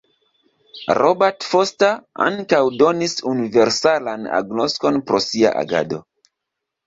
Robert Forster ankaŭ donis universalan agnoskon pro sia agado.